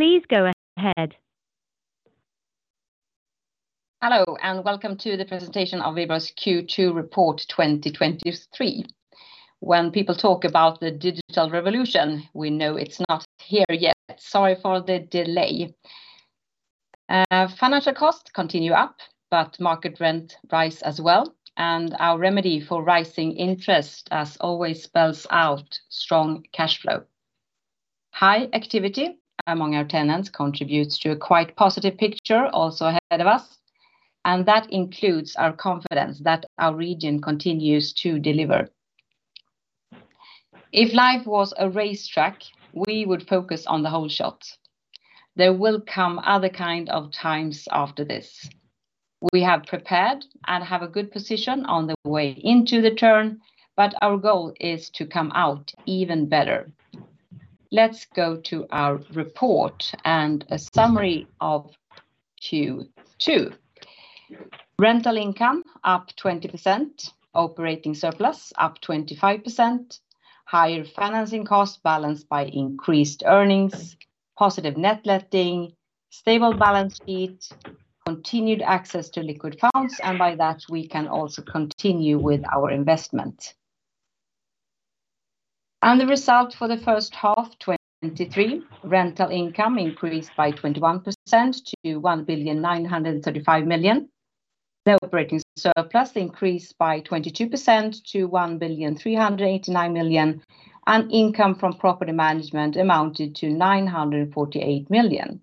Please go ahead. Hello, and welcome to the presentation of Wihlborgs Q2 report 2023. When people talk about the digital revolution, we know it's not here yet. Sorry for the delay. Financial costs continue up, but market rent rise as well, and our remedy for rising interest, as always, spells out strong cash flow. High activity among our tenants contributes to a quite positive picture also ahead of us, and that includes our confidence that our region continues to deliver. If life was a racetrack, we would focus on the holeshot. There will come other kind of times after this. We have prepared and have a good position on the way into the turn, but our goal is to come out even better. Let's go to our report and a summary of Q2. Rental income up 20%, operating surplus up 25%, higher financing costs balanced by increased earnings, positive net letting, stable balance sheet, continued access to liquid funds. By that, we can also continue with our investment. The result for the first half 2023, rental income increased by 21% to 1.935 billion. The operating surplus increased by 22% to 1.389 billion, and income from property management amounted to 948 million.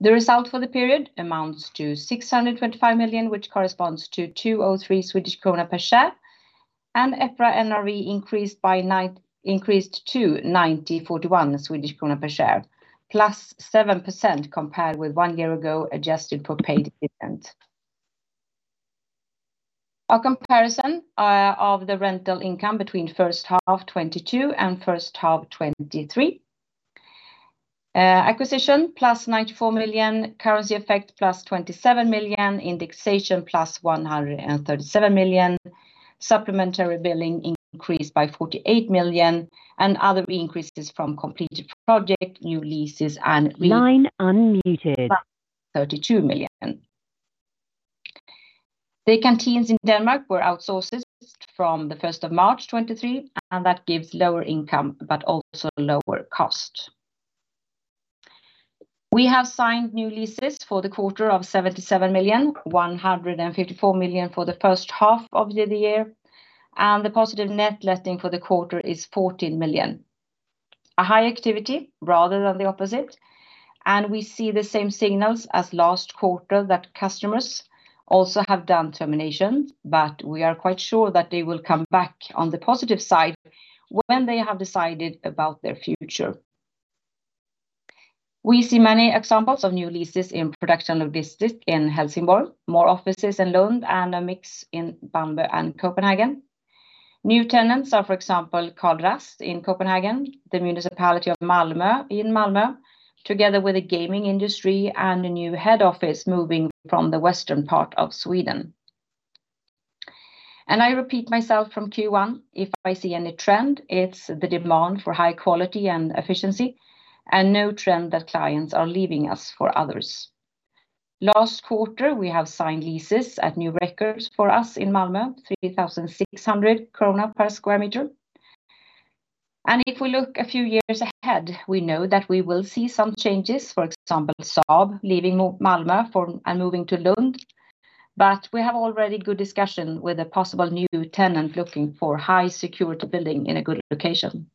The result for the period amounts to 625 million, which corresponds to 2.03 Swedish krona per share, and EPRA NRV increased to 90.41 Swedish krona per share, +7% compared with one year ago, adjusted for paid dividends. A comparison of the rental income between first half 2022 and first half 2023. Acquisition, +94 million, currency effect, +27 million, indexation, +137 million, supplementary billing increased by 48 million, and other increases from completed project, new leases. Line unmuted. SEK 32 million. The canteens in Denmark were outsourced from the first of March 2023, and that gives lower income, but also lower cost. We have signed new leases for the quarter of 77 million, 154 million for the first half of the year, and the positive net letting for the quarter is 14 million. A high activity rather than the opposite, and we see the same signals as last quarter that customers also have done terminations, but we are quite sure that they will come back on the positive side when they have decided about their future. We see many examples of new leases in production logistics in Helsingborg, more offices in Lund, and a mix in Malmö and Copenhagen. New tenants are, for example, Carl Ras in Copenhagen, the municipality of Malmö in Malmö, together with the gaming industry and a new head office moving from the western part of Sweden. I repeat myself from Q1: if I see any trend, it's the demand for high quality and efficiency, and no trend that clients are leaving us for others. Last quarter, we have signed leases at new records for us in Malmö, 3,600 krona per square meter. If we look a few years ahead, we know that we will see some changes, for example, Saab leaving Malmö and moving to Lund, but we have already good discussion with a possible new tenant looking for high security building in a good location.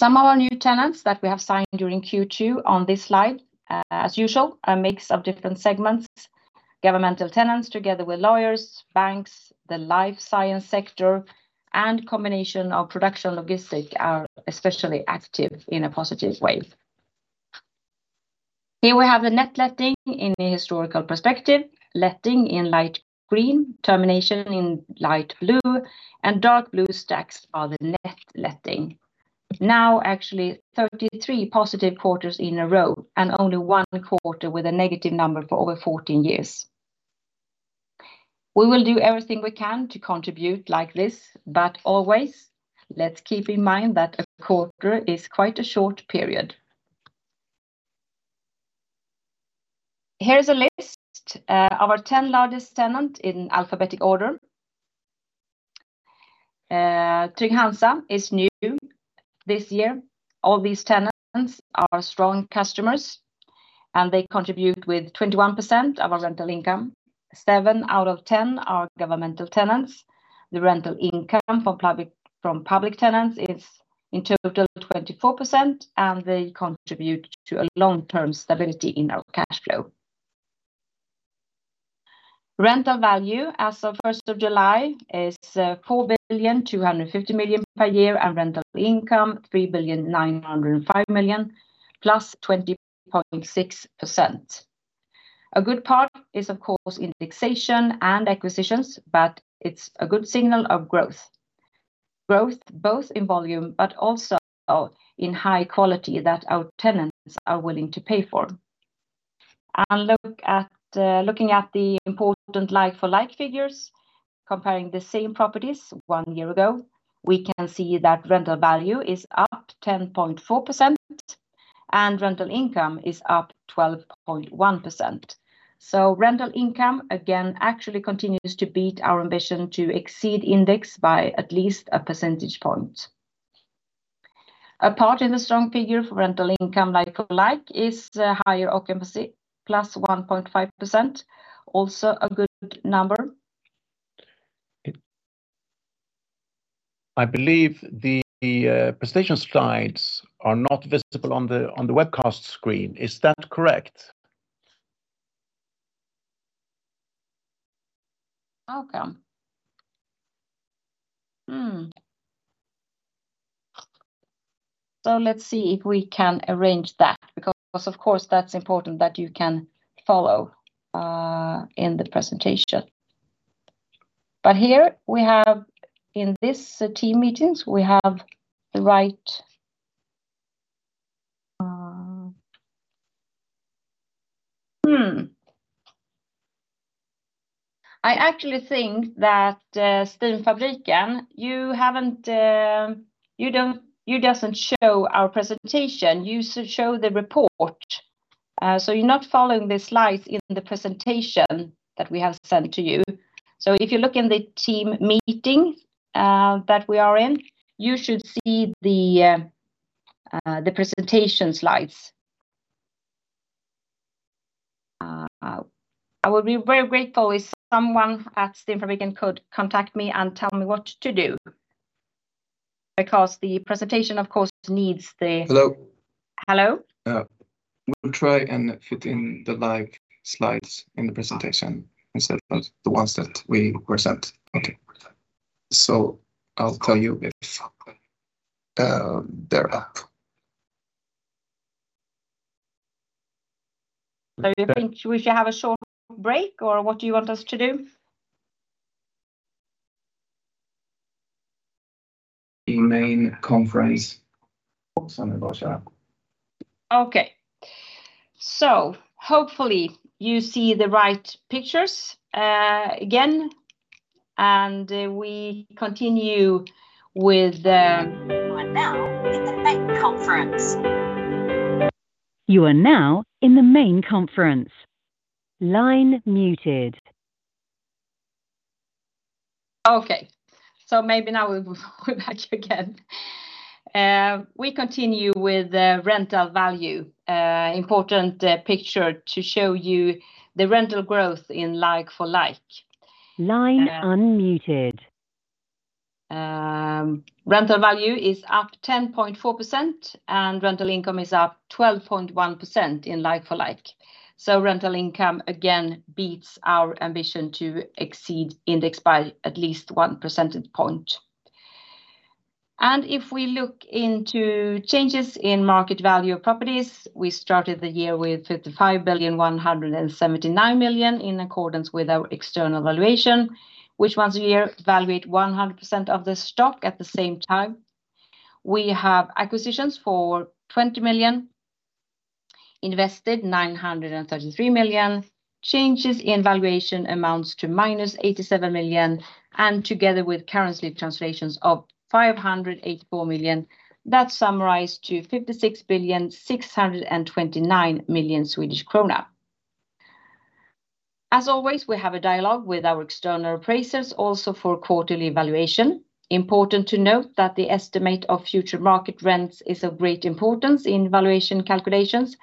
Some of our new tenants that we have signed during Q2 on this slide, as usual, a mix of different segments: governmental tenants, together with lawyers, banks, the life science sector, and combination of production logistic are especially active in a positive way. Here we have the net letting in a historical perspective, letting in light green, termination in light blue, and dark blue stacks are the net letting. Now, actually, 33 positive quarters in a row, and only one quarter with a negative number for over 14 years. We will do everything we can to contribute like this, but always, let's keep in mind that a quarter is quite a short period. Here is a list, our 10 largest tenant in alphabetic order. Trygg-Hansa is new this year. All these tenants are strong customers, and they contribute with 21% of our rental income. Seven out of 10 are governmental tenants. The rental income from public tenants is, in total, 24%, and they contribute to a long-term stability in our cash flow. Rental value as of first of July is 4.25 billion per year, and rental income, 3.905 billion, +20.6%. A good part is, of course, indexation and acquisitions, but it's a good signal of growth. Growth both in volume, but also in high quality that our tenants are willing to pay for. Looking at the important like-for-like figures, comparing the same properties one year ago, we can see that rental value is up 10.4%, and rental income is up 12.1%. Rental income, again, actually continues to beat our ambition to exceed index by at least a percentage point. A part in the strong figure for rental income like-for-like is higher occupancy, +1.5%, also a good number. I believe the presentation slides are not visible on the webcast screen. Is that correct? Okay. Let's see if we can arrange that, because, of course, that's important that you can follow in the presentation. Here we have, in this team meetings, we have the right. I actually think that Stenfabriken, you haven't, you doesn't show our presentation. You show the report. You're not following the slides in the presentation that we have sent to you. If you look in the team meeting that we are in, you should see the presentation slides. I would be very grateful if someone at Stenfabriken could contact me and tell me what to do, because the presentation, of course, needs the- Hello. Hello? We'll try and fit in the live slides in the presentation instead of the ones that we were sent. Okay. I'll tell you if they're up. Do you think we should have a short break, or what do you want us to do? The main conference. Okay. Hopefully, you see the right pictures, again, and we continue with. You are now in the main conference. Line muted. Okay, maybe now we're back again. We continue with the rental value. Important picture to show you the rental growth in like-for-like. Line unmuted. Rental value is up 10.4%, and rental income is up 12.1% in like-for-like. Rental income, again, beats our ambition to exceed index by at least 1 percentage point. If we look into changes in market value of properties, we started the year with 55,179 million, in accordance with our external valuation, which once a year evaluate 100% of the stock at the same time. We have acquisitions for 20 million, invested 933 million, changes in valuation amounts to -87 million, and together with currency translations of 584 million, that summarized to 56,629 million Swedish krona. As always, we have a dialogue with our external appraisers, also for quarterly valuation. Important to note that the estimate of future market rents is of great importance in valuation calculations,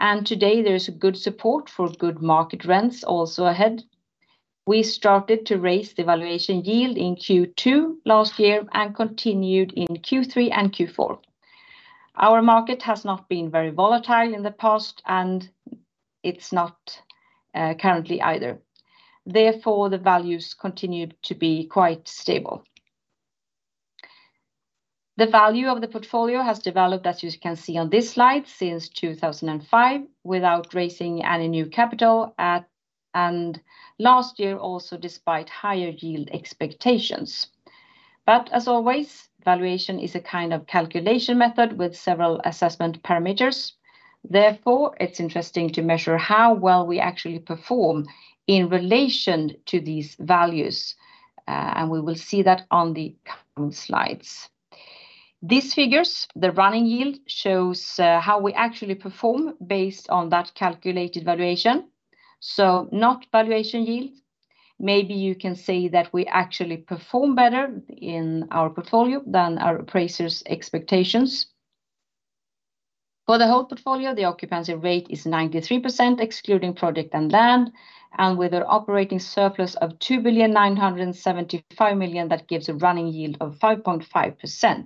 and today there is a good support for good market rents also ahead. We started to raise the valuation yield in Q2 last year, and continued in Q3 and Q4. Our market has not been very volatile in the past, and it's not, currently either. Therefore, the values continued to be quite stable. The value of the portfolio has developed, as you can see on this slide, since 2005, without raising any new capital. Last year, also, despite higher yield expectations. As always, valuation is a kind of calculation method with several assessment parameters. Therefore, it's interesting to measure how well we actually perform in relation to these values, and we will see that on the coming slides. These figures, the running yield, shows how we actually perform based on that calculated valuation, so not valuation yield. Maybe you can say that we actually perform better in our portfolio than our appraisers' expectations. For the whole portfolio, the occupancy rate is 93%, excluding project and land, and with an operating surplus of 2,975 million, that gives a running yield of 5.5%.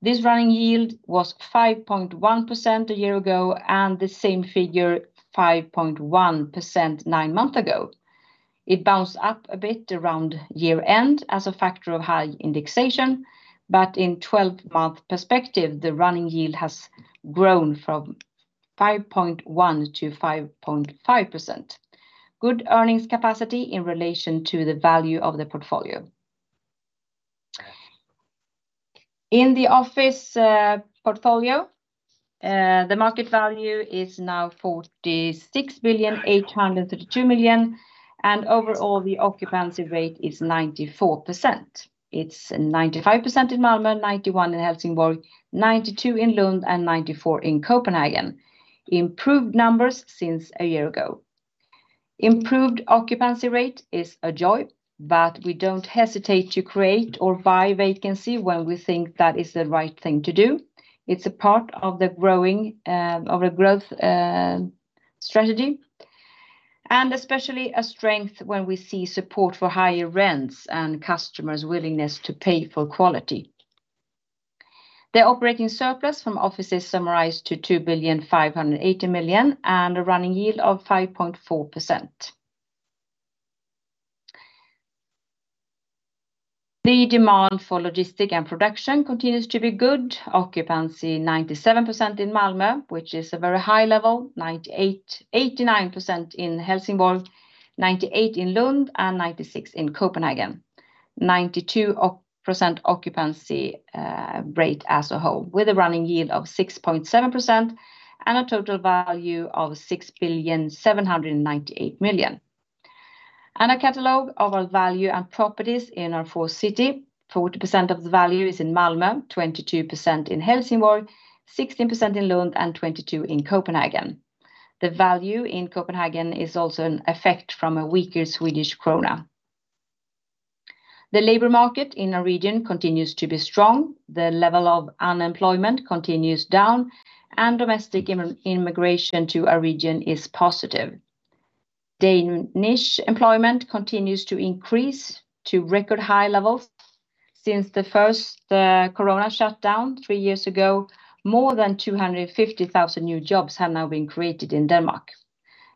This running yield was 5.1% a year ago, and the same figure, 5.1%, nine months ago. It bounced up a bit around year-end as a factor of high indexation, but in 12-month perspective, the running yield has grown from 5.1%-5.5%. Good earnings capacity in relation to the value of the portfolio. In the office portfolio, the market value is now 46 billion, 832 million. Overall, the occupancy rate is 94%. It's 95% in Malmö, 91% in Helsingborg, 92% in Lund, and 94% in Copenhagen. Improved numbers since a year ago. Improved occupancy rate is a joy. We don't hesitate to create or buy vacancy when we think that is the right thing to do. It's a part of the growing of a growth strategy, especially a strength when we see support for higher rents and customers' willingness to pay for quality. The operating surplus from offices summarized to 2 billion, 580 million, and a running yield of 5.4%. The demand for logistic and production continues to be good. Occupancy, 97% in Malmö, which is a very high level. 89% in Helsingborg, 98% in Lund, and 96% in Copenhagen. 92% occupancy rate as a whole, with a running yield of 6.7% and a total value of 6,798 million. A catalog of our value and properties in our four city. 40% of the value is in Malmö, 22% in Helsingborg, 16% in Lund, and 22% in Copenhagen. The value in Copenhagen is also an effect from a weaker Swedish krona. The labor market in our region continues to be strong. The level of unemployment continues down, and domestic immigration to our region is positive. Danish employment continues to increase to record high levels. Since the first corona shutdown three years ago, more than 250,000 new jobs have now been created in Denmark.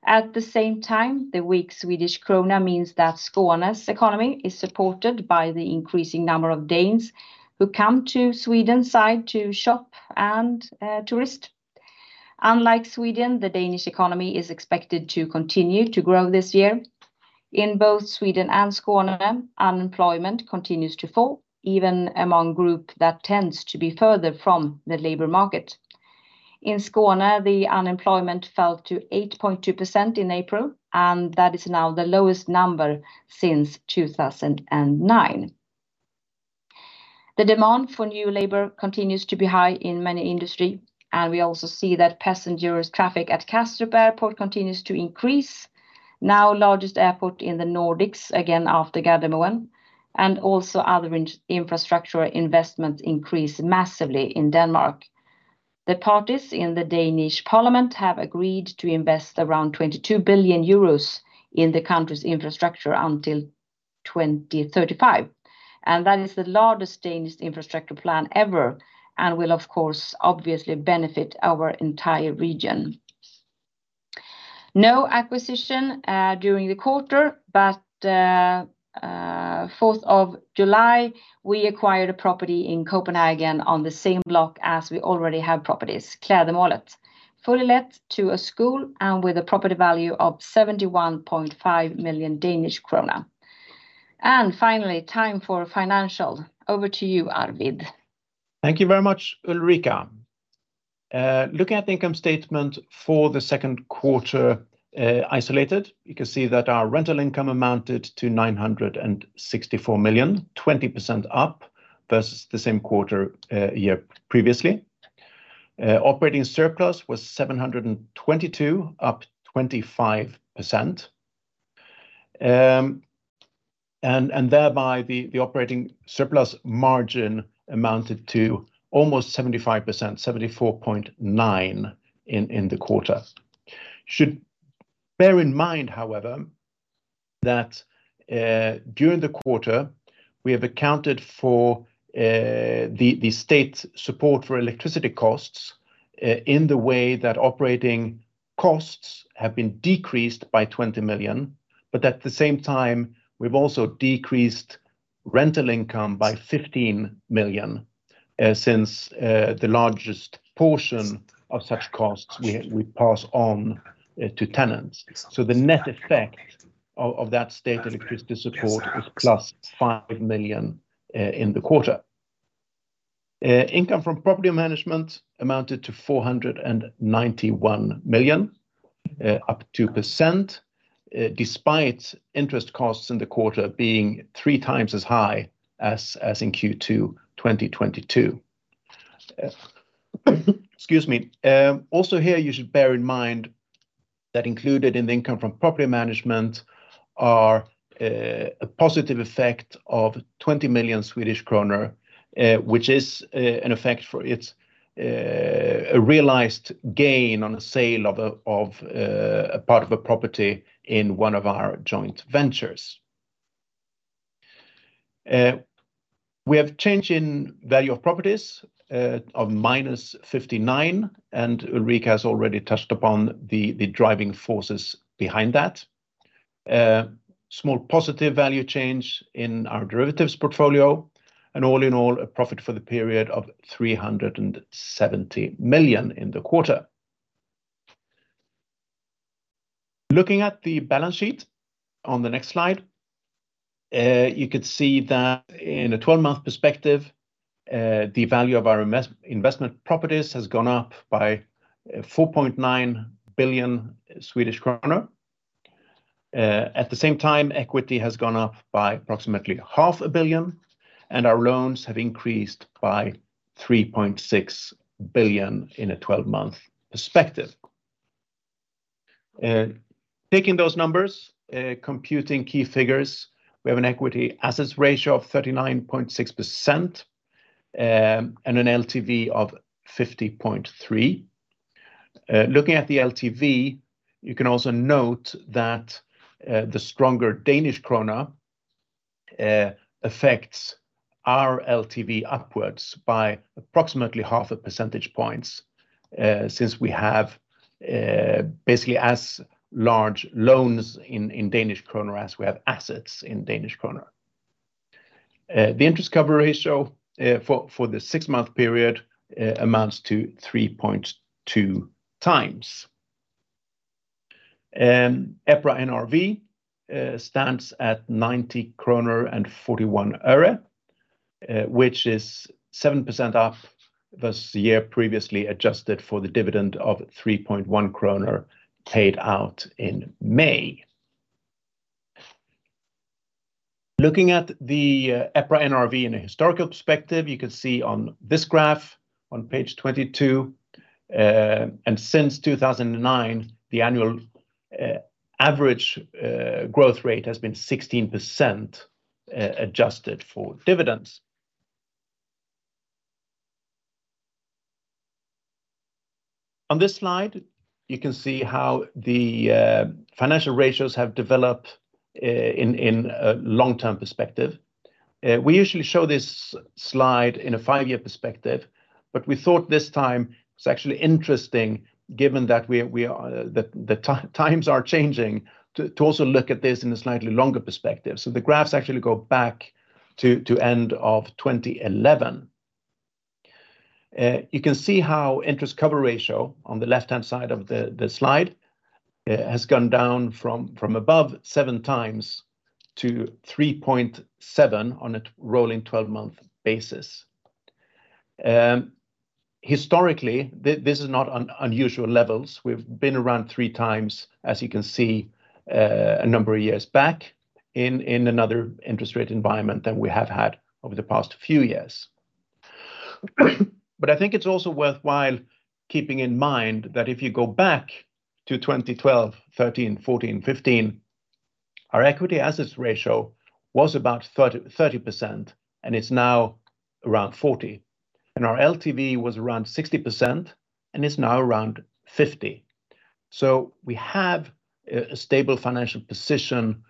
At the same time, the weak Swedish krona means that Skåne's economy is supported by the increasing number of Danes who come to Sweden side to shop and, tourist. Unlike Sweden, the Danish economy is expected to continue to grow this year. In both Sweden and Skåne, unemployment continues to fall, even among group that tends to be further from the labor market. In Skåne, the unemployment fell to 8.2% in April, and that is now the lowest number since 2009. The demand for new labor continues to be high in many industry, and we also see that passengers traffic at Kastrup Airport continues to increase. Now, largest airport in the Nordics, again, after Gardermoen, also other infrastructure investment increase massively in Denmark. The parties in the Danish parliament have agreed to invest around 22 billion euros in the country's infrastructure until 2035, that is the largest Danish infrastructure plan ever and will, of course, obviously benefit our entire region. No acquisition during the quarter, fourth of July, we acquired a property in Copenhagen on the same block as we already have properties, Klædemålet, fully let to a school and with a property value of 71.5 million Danish krone. Finally, time for financial. Over to you, Arvid. Thank you very much, Ulrika. Looking at the income statement for the second quarter, isolated, you can see that our rental income amounted to 964 million, 20% up versus the same quarter, year previously. Operating surplus was 722 million, up 25%. Thereby, the operating surplus margin amounted to almost 75%, 74.9%, in the quarter. Should bear in mind, however, that during the quarter, we have accounted for the state support for electricity costs in the way that operating costs have been decreased by 20 million, but at the same time, we've also decreased rental income by 15 million, since the largest portion of such costs we pass on to tenants. The net effect of that state electricity support is +5 million in the quarter. Income from property management amounted to 491 million, up 2%, despite interest costs in the quarter being three times as high as in Q2 2022. Excuse me. Also here, you should bear in mind that included in the income from property management are a positive effect of 20 million Swedish kronor, which is an effect for its a realized gain on a sale of a part of a property in one of our joint ventures. We have change in value of properties of -59 million, and Ulrika has already touched upon the driving forces behind that. Small positive value change in our derivatives portfolio, and all in all, a profit for the period of 370 million in the quarter. Looking at the balance sheet on the next slide, you could see that in a 12-month perspective, the value of our investment properties has gone up by 4.9 billion Swedish kronor. At the same time, equity has gone up by approximately 500 million, and our loans have increased by 3.6 billion in a 12-month perspective. Taking those numbers, computing key figures, we have an equity assets ratio of 39.6%, and an LTV of 50.3%. You can also note that the stronger Danish kroner affects our LTV upwards by approximately 0.5 percentage point, since we have basically as large loans in Danish kroner as we have assets in Danish kroner. The interest cover ratio for the six-month period amounts to 3.2x. EPRA NRV stands at 90.41 kronor, which is 7% off versus the year previously, adjusted for the dividend of 3.1 kronor paid out in May. Looking at the EPRA NRV in a historical perspective, you can see on this graph on page 22, and since 2009, the annual average growth rate has been 16%, adjusted for dividends On this slide, you can see how the financial ratios have developed in a long-term perspective. We usually show this slide in a five-year perspective, but we thought this time it's actually interesting, given that the times are changing, to also look at this in a slightly longer perspective. The graphs actually go back to end of 2011. You can see how interest cover ratio on the left-hand side of the slide has gone down from above 7x to 3.7 on a rolling 12-month basis. Historically, this is not unusual levels. We've been around 3x, as you can see, a number of years back in another interest rate environment than we have had over the past few years. I think it's also worthwhile keeping in mind that if you go back to 2012, 2013, 2014, 2015, our equity assets ratio was about 30%, and it's now around 40%, and our LTV was around 60%, and it's now around 50%. We have a stable financial position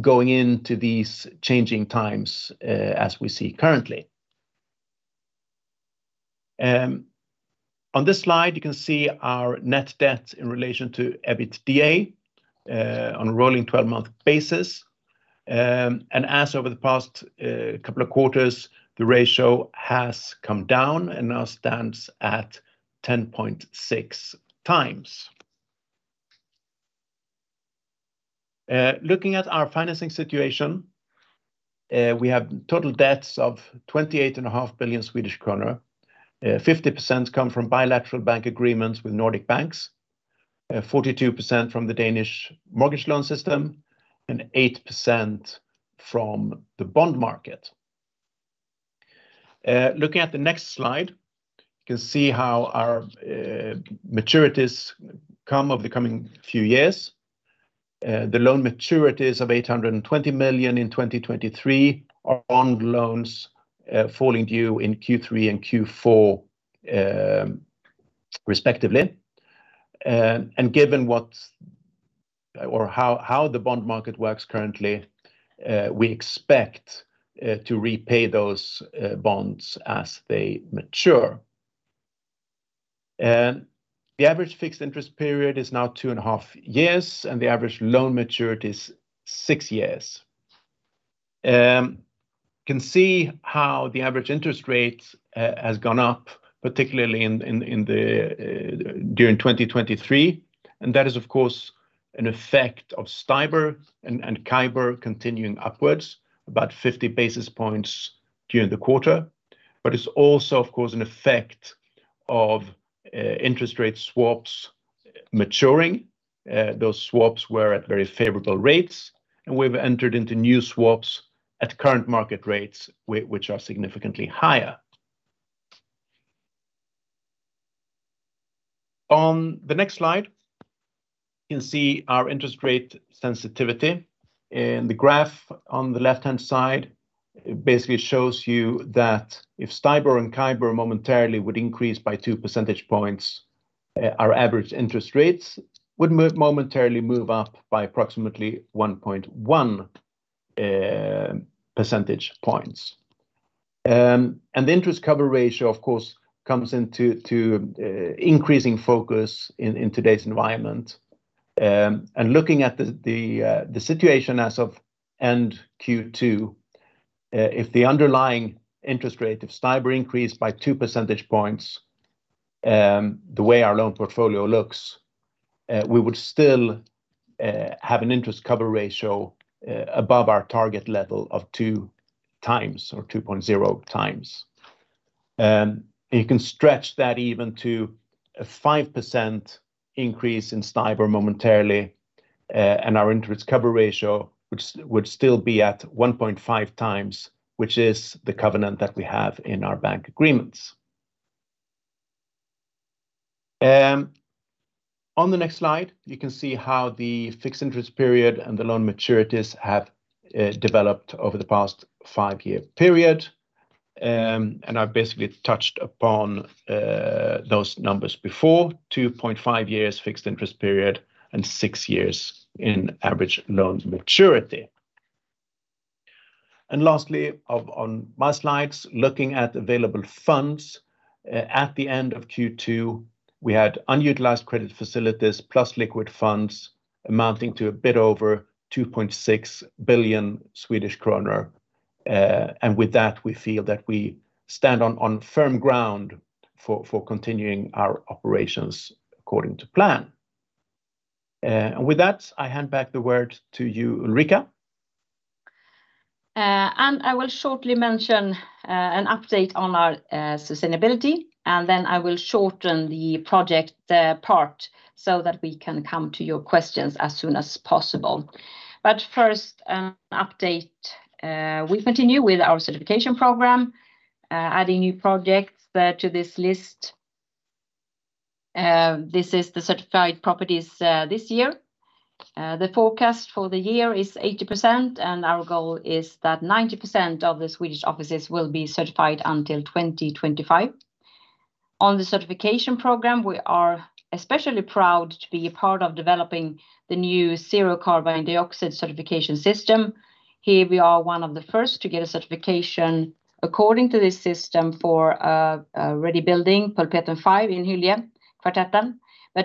going into these changing times, as we see currently. On this slide, you can see our net debt in relation to EBITDA on a rolling 12-month basis. As over the past couple of quarters, the ratio has come down and now stands at 10.6 times. Looking at our financing situation, we have total debts of 28.5 billion Swedish kronor. 50% come from bilateral bank agreements with Nordic banks, 42% from the Danish mortgage loan system, and 8% from the bond market. Looking at the next slide, you can see how our maturities come over the coming few years. The loan maturities of 820 million in 2023 are on loans falling due in Q3 and Q4, respectively. Given how the bond market works currently, we expect to repay those bonds as they mature. The average fixed interest period is now 2.5 years, and the average loan maturity is six years. Can see how the average interest rate has gone up, particularly during 2023, that is, of course, an effect of STIBOR and CIBOR continuing upwards, about 50 basis points during the quarter. It's also, of course, an effect of interest rate swaps maturing. Those swaps were at very favorable rates, we've entered into new swaps at current market rates, which are significantly higher. On the next slide, you can see our interest rate sensitivity. In the graph on the left-hand side, it basically shows you that if STIBOR and CIBOR momentarily would increase by 2 percentage points, our average interest rates would momentarily move up by approximately 1.1 percentage points. The interest cover ratio, of course, comes into increasing focus in today's environment. Looking at the situation as of end Q2, if the underlying interest rate of STIBOR increased by 2 percentage points, the way our loan portfolio looks, we would still have an interest cover ratio above our target level of 2x or 2.0x. You can stretch that even to a 5% increase in STIBOR momentarily, and our interest cover ratio, which would still be at 1.5x, which is the covenant that we have in our bank agreements. On the next slide, you can see how the fixed interest period and the loan maturities have developed over the past five-year period. I've basically touched upon those numbers before, 2.5 years fixed interest period and six years in average loans maturity. Lastly, on my slides, looking at available funds. At the end of Q2, we had unutilized credit facilities, plus liquid funds amounting to a bit over 2.6 billion Swedish kronor. With that, we feel that we stand on firm ground for continuing our operations according to plan. With that, I hand back the word to you, Ulrika. I will shortly mention an update on our sustainability, and then I will shorten the project part so that we can come to your questions as soon as possible. First, update. We continue with our certification program, adding new projects to this list. This is the certified properties this year. The forecast for the year is 80%, and our goal is that 90% of the Swedish offices will be certified until 2025. On the certification program, we are especially proud to be a part of developing the new zero carbon dioxide certification system. Here we are one of the first to get a certification according to this system for a ready building, Pulpeten 5 in Hyllie, Kvartetten.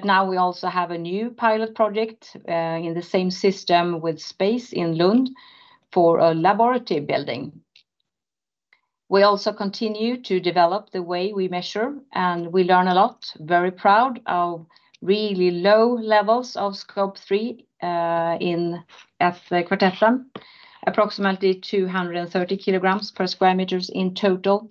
Now we also have a new pilot project in the same system with space in Lund for a laboratory building. We also continue to develop the way we measure, and we learn a lot. Very proud of really low levels of Scope 3 in at Kvartetten, approximately 230 kg per square meters in total.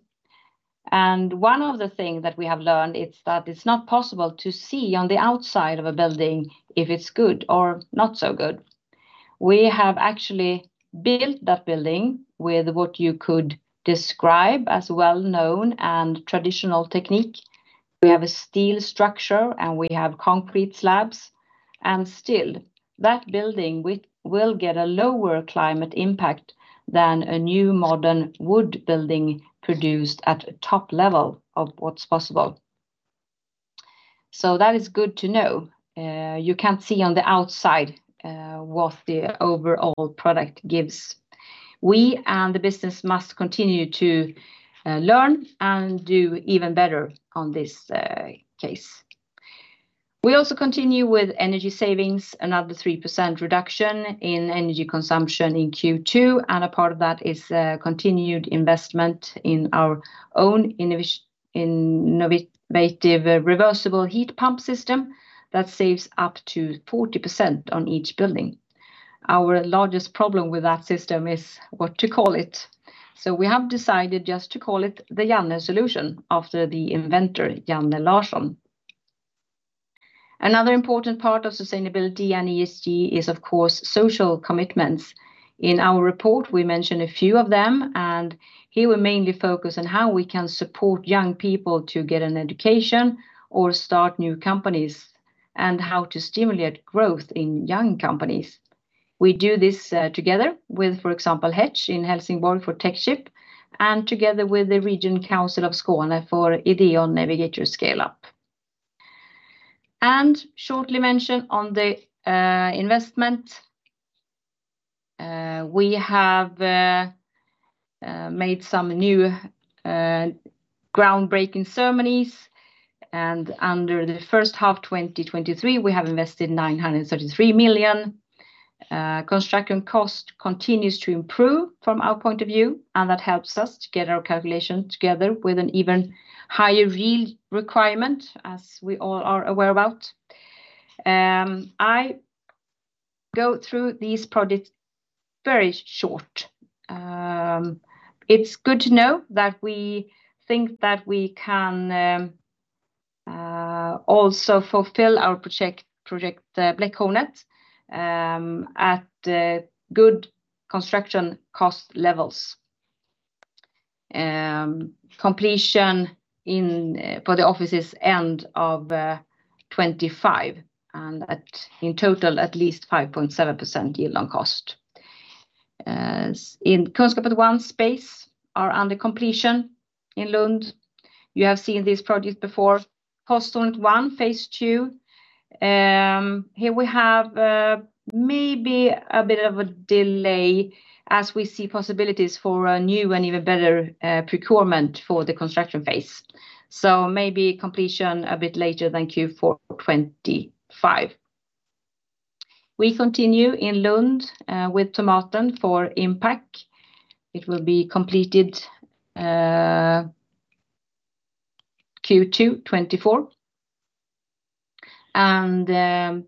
One of the things that we have learned is that it's not possible to see on the outside of a building if it's good or not so good. We have actually built that building with what you could describe as well-known and traditional technique. We have a steel structure, and we have concrete slabs, and still, that building will get a lower climate impact than a new modern wood building produced at a top level of what's possible. That is good to know. You can't see on the outside what the overall product gives. We and the business must continue to learn and do even better on this case. We also continue with energy savings, another 3% reduction in energy consumption in Q2. A part of that is a continued investment in our own innovative reversible heat pump system that saves up to 40% on each building. Our largest problem with that system is what to call it. We have decided just to call it the Janne solution after the inventor, Janne Larsson. Another important part of sustainability and ESG is, of course, social commitments. In our report, we mentioned a few of them, and here we mainly focus on how we can support young people to get an education or start new companies, and how to stimulate growth in young companies. We do this together with, for example, HETCH in Helsingborg for Techship, and together with Region Skåne for Ideon Navigator Scaleup. Shortly mention on the investment. We have made some new groundbreaking ceremonies. Under the first half, 2023, we have invested 933 million. Construction cost continues to improve from our point of view, and that helps us to get our calculation together with an even higher real requirement, as we all are aware about. I go through these projects very short. It's good to know that we think that we can also fulfill our project, Project Posthornet, at good construction cost levels. Completion in for the office's end of 2025, and at in total, at least 5.7% yield on cost. In Kunskapen 1 space are under completion in Lund. You have seen these projects before. Posthornet 1, phase two. Here we have, maybe a bit of a delay as we see possibilities for a new and even better procurement for the construction phase. Maybe completion a bit later than Q4 2025. We continue in Lund with Tomaten for impact. It will be completed, Q2 2024.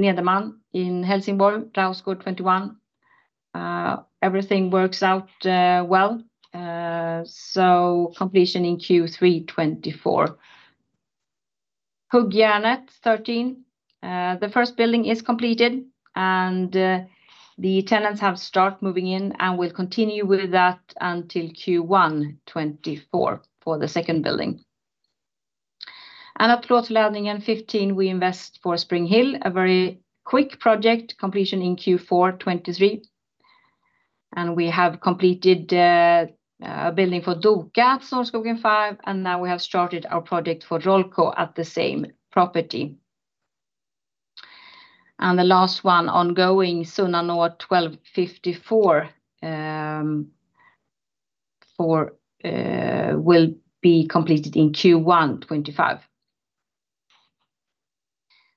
Nederman in Helsingborg, Rausgård 21, everything works out well, so completion in Q3 2024. Huggjärnet 13, the first building is completed, the tenants have start moving in, we'll continue with that until Q1 2024 for the second building. At Plåtförädlingen 15, we invest for Springhill, a very quick project, completion in Q4 2023. We have completed building for Doka at Snårskogen 5, and now we have started our project for Rollco at the same property. The last one ongoing, Sunnanå 12:54, will be completed in Q1 2025.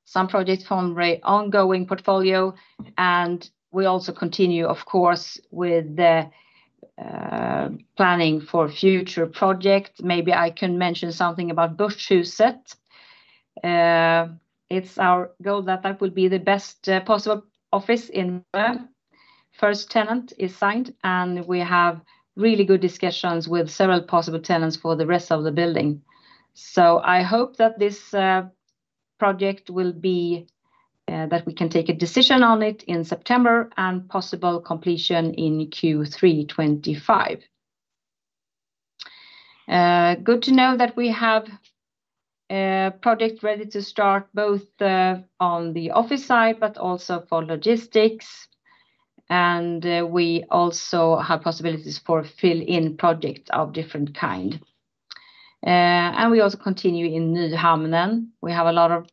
Some projects from ongoing portfolio, and we also continue, of course, with the planning for future projects. Maybe I can mention something about Börshuset. It's our goal that that will be the best possible office in Malmö. First tenant is signed, and we have really good discussions with several possible tenants for the rest of the building. I hope that this project will be that we can take a decision on it in September, and possible completion in Q3 2025. Good to know that we have a project ready to start, both on the office side, but also for logistics. We also have possibilities for fill-in projects of different kind. We also continue in Nyhamnen. We have a lot of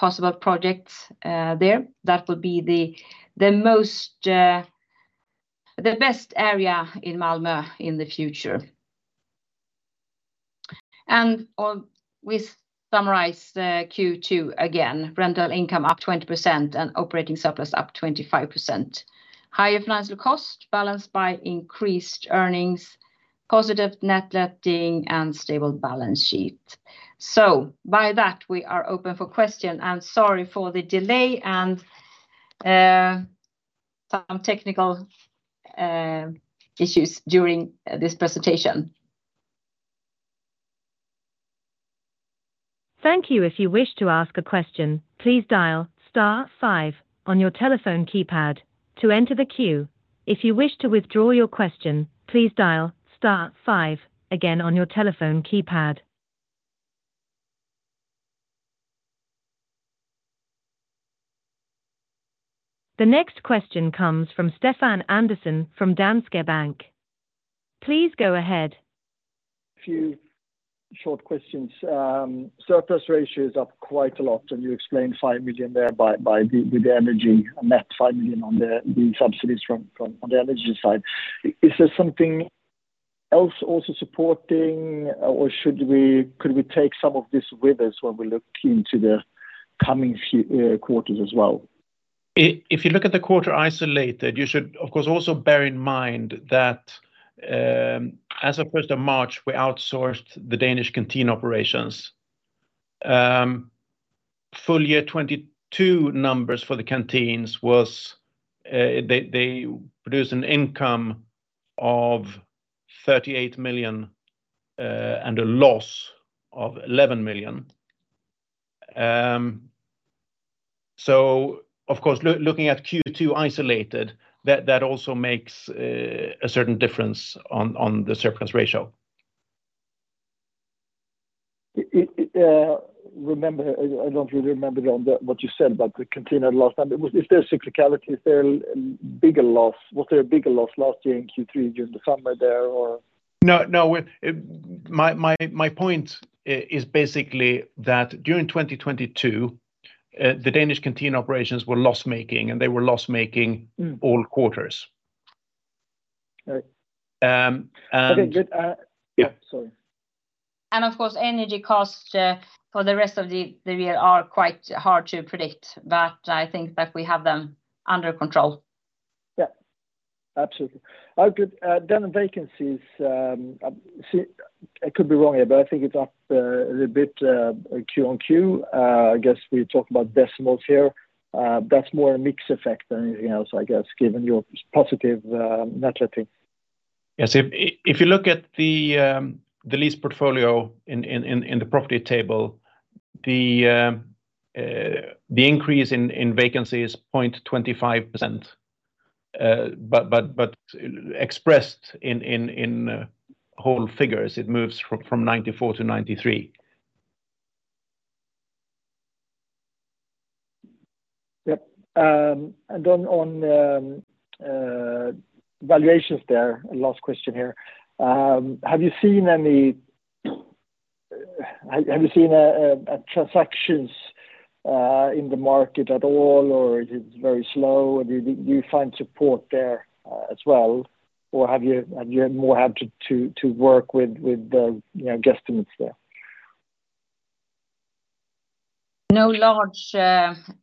possible projects there. That will be the most the best area in Malmö in the future. We summarize the Q2 again, rental income up 20% and operating surplus up 25%. Higher financial cost balanced by increased earnings, positive net letting, and stable balance sheet. By that, we are open for question, and sorry for the delay and some technical issues during this presentation. Thank you. If you wish to ask a question, please dial star five on your telephone keypad to enter the queue. If you wish to withdraw your question, please dial star five again on your telephone keypad. The next question comes from Stefan Andersson from Danske Bank. Please go ahead. A few short questions. Surplus ratio is up quite a lot, and you explained 5 million there with the energy, a net 5 million on the subsidies from on the energy side. Is there something else also supporting, or could we take some of this with us when we look into the coming few quarters as well? If you look at the quarter isolated, you should, of course, also bear in mind that, as of 1st of March, we outsourced the Danish canteen operations. Full year 2022 numbers for the canteens was, they produced an income of 38 million and a loss of 11 million. Of course, looking at Q2 isolated, that also makes a certain difference on the surplus ratio. It, remember, I don't really remember it on the, what you said about the canteen loss. Is there a cyclicality? Is there a bigger loss? Was there a bigger loss last year in Q3, during the summer there, or? No, no. My point is basically that during 2022, the Danish canteen operations were loss-making, and they were loss-making. Mm. -all quarters. Right. Um, and- Okay, good. Yeah. Sorry. Of course, energy costs, for the rest of the year are quite hard to predict. I think that we have them under control. Yeah, absolutely. Good. Vacancies, see, I could be wrong here, but I think it's up a little bit Q on Q. I guess we talk about decimals here. That's more a mix effect than anything else, I guess, given your positive net letting. If you look at the lease portfolio in the property table, the increase in vacancy is 0.25%. But expressed in whole figures, it moves from 94 to 93. On valuations there, last question here. Have you seen transactions in the market at all, or is it very slow, and do you find support there, as well, or have you more had to work with the, you know, guesstimates there? No large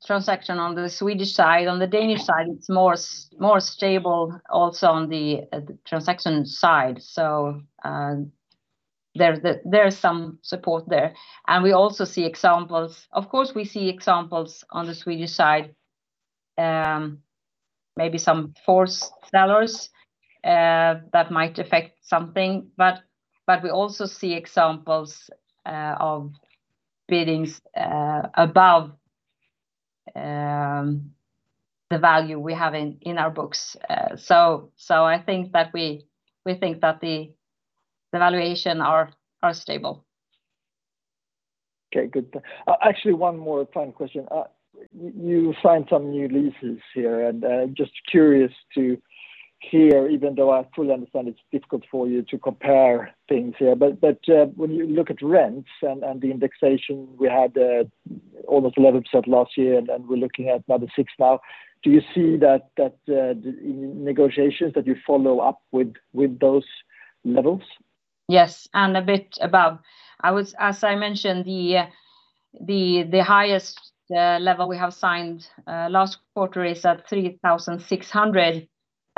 transaction on the Swedish side. On the Danish side, it's more stable also on the transaction side. There is some support there. We also see examples- of course, we see examples on the Swedish side, maybe some forced sellers that might affect something. We also see examples of biddings above the value we have in our books. I think that we think that the valuation are stable. Okay, good. Actually, one more final question. You signed some new leases here. Just curious to hear, even though I fully understand it's difficult for you to compare things here. When you look at rents and the indexation, we had almost 11% last year. Then we're looking at about six now. Do you see that the negotiations that you follow up with those levels? Yes, a bit above. As I mentioned, the highest level we have signed last quarter is at SEK 3,600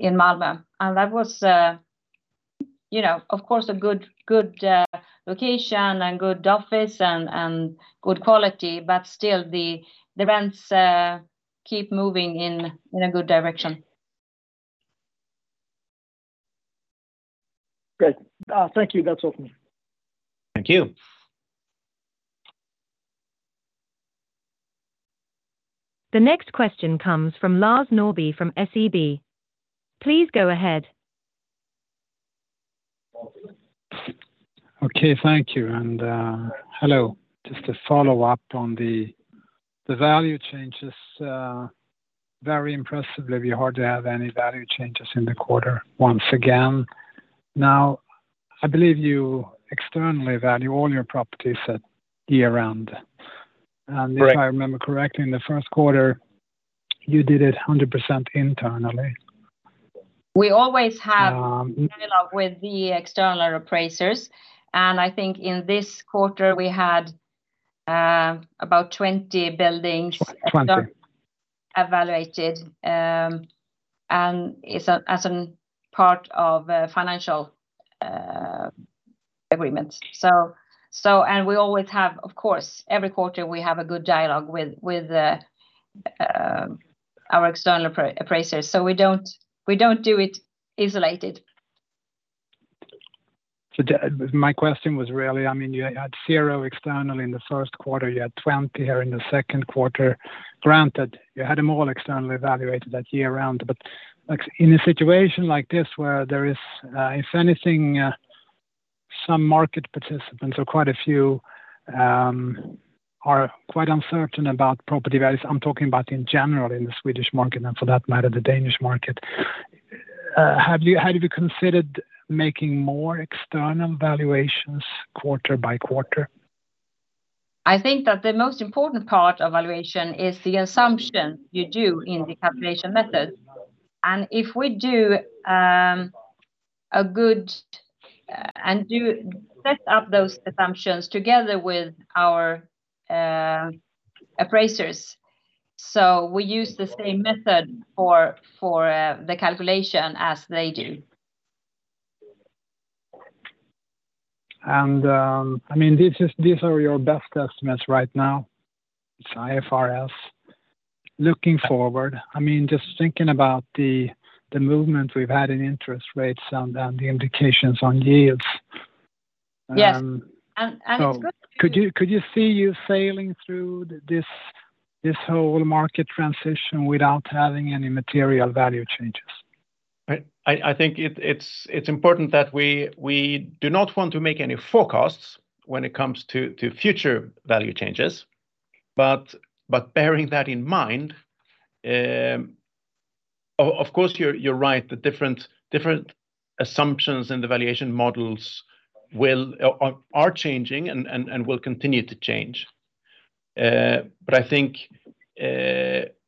in Malmö. That was, you know, of course, a good location and good office and good quality, but still, the rents keep moving in a good direction. Great. Thank you. That's all from me. Thank you. The next question comes from Lars Norrby from SEB. Please go ahead. Okay, thank you, and hello. Just to follow up on the value changes, very impressively, we hardly have any value changes in the quarter once again. I believe you externally value all your properties at year-round. Correct. If I remember correctly, in the first quarter, you did it 100% internally. We always Um... with the external appraisers, and I think in this quarter we had, about 20. 20.... evaluated, and as an part of a financial agreement. And we always have, of course, every quarter we have a good dialogue with the our external appraisers. We don't do it isolated. My question was really, I mean, you had 0 external in the first quarter, you had 20 here in the second quarter, granted, you had them all externally evaluated that year round. Like, in a situation like this, where there is, if anything, some market participants or quite a few, are quite uncertain about property values, I'm talking about in general in the Swedish market, and for that matter, the Danish market. Have you considered making more external valuations quarter by quarter? I think that the most important part of valuation is the assumption you do in the calculation method. If we do a good, set up those assumptions together with our appraisers, so we use the same method for the calculation as they do. I mean, these are your best estimates right now, it's IFRS. Looking forward, I mean, just thinking about the movement we've had in interest rates and the indications on yields... Yes, and. Could you see you sailing through this whole market transition without having any material value changes? I think it's important that we do not want to make any forecasts when it comes to future value changes. Bearing that in mind, of course, you're right, the different assumptions and the valuation models are changing and will continue to change. I think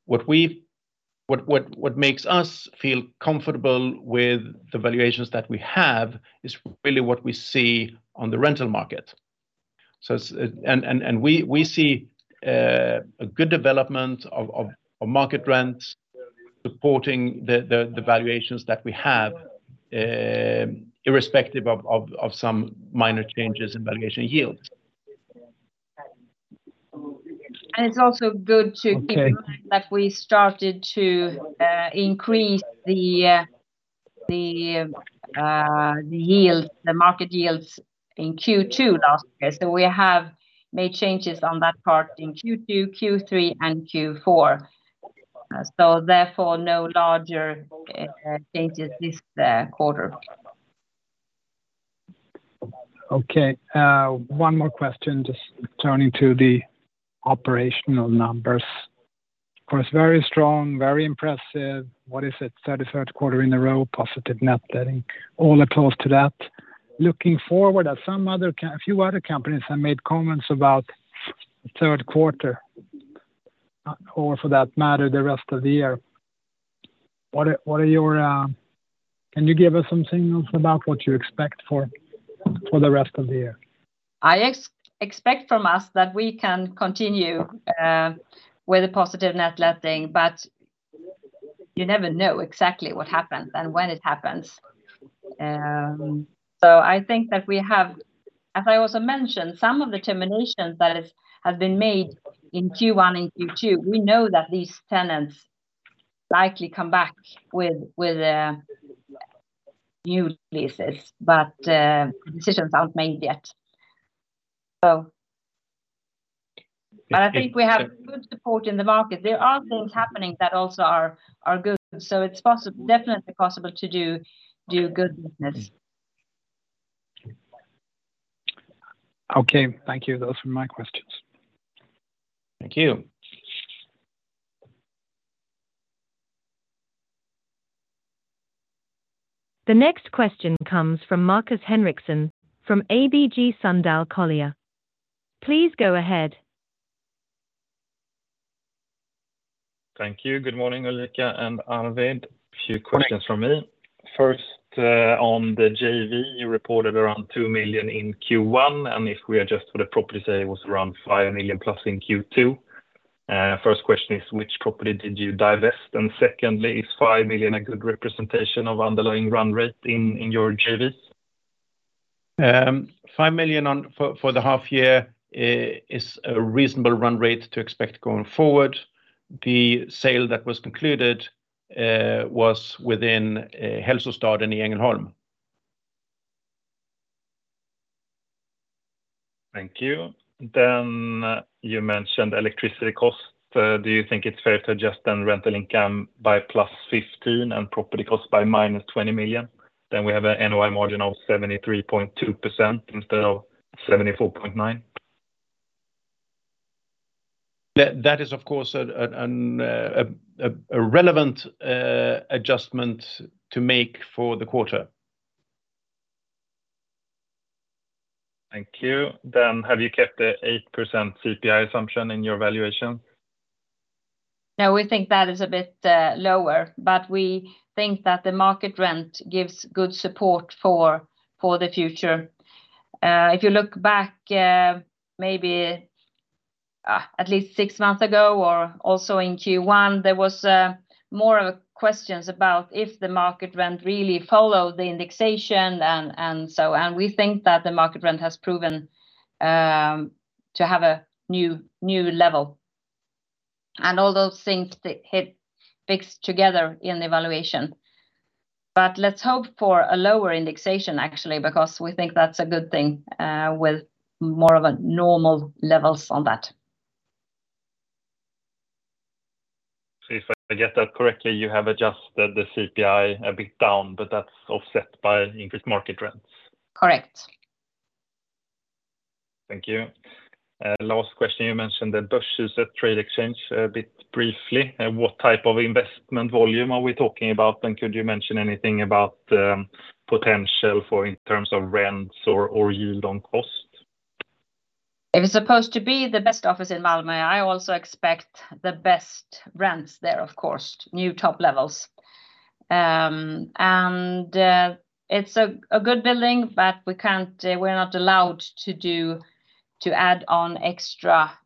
what makes us feel comfortable with the valuations that we have is really what we see on the rental market. It's. We see a good development of market rents supporting the valuations that we have, irrespective of some minor changes in valuation yields. it's also good. Okay... keep in mind that we started to increase the yield, the market yields in Q2 last year. We have made changes on that part in Q2, Q3, and Q4. Therefore, no larger changes this quarter. Okay, one more question, just turning to the operational numbers. Of course, very strong, very impressive. What is it? 33rd quarter in a row, positive net letting. All close to that. Looking forward, as some other a few other companies have made comments about third quarter, or for that matter, the rest of the year. What are your, can you give us some signals about what you expect for the rest of the year? I expect from us that we can continue with a positive net letting, but you never know exactly what happens and when it happens. As I also mentioned, some of the terminations that have been made in Q1 and Q2, we know that these tenants likely come back with new leases, but decisions aren't made yet. I think- I think we have good support in the market. There are things happening that also are good, so it's definitely possible to do good business. Okay, thank you. Those were my questions. Thank you. The next question comes from Markus Henriksson, from ABG Sundal Collier. Please go ahead. Thank you. Good morning, Ulrika and Arvid. A few questions from me. First, on the JV, you reported around 2 million in Q1, and if we adjust for the property sale, it was around 5+ million in Q2. First question is: Which property did you divest? And secondly, is 5 million a good representation of underlying run rate in your JV? 5 million on, for the half year, is a reasonable run rate to expect going forward. The sale that was concluded, was within Hälsostaden i Ängelholm. Thank you. You mentioned electricity costs. Do you think it's fair to adjust then rental income by +15 million and property costs by -20 million? We have a NOI margin of 73.2% instead of 74.9%. That is, of course, a relevant adjustment to make for the quarter. Thank you. Have you kept the 8% CPI assumption in your valuation? We think that is a bit lower, but we think that the market rent gives good support for the future. If you look back, maybe at least six months ago or also in Q1, there was more of questions about if the market rent really followed the indexation and so on. We think that the market rent has proven to have a new level, and all those things, they hit fits together in the valuation. Let's hope for a lower indexation, actually, because we think that's a good thing with more of a normal levels on that. If I get that correctly, you have adjusted the CPI a bit down, but that's offset by increased market rents? Correct. Thank you. Last question, you mentioned the Börshuset Trade Exchange a bit briefly. What type of investment volume are we talking about? Could you mention anything about potential for in terms of rents or yield on cost? It was supposed to be the best office in Malmö. I also expect the best rents there, of course, new top levels. It's a good building, but we're not allowed to add on extra.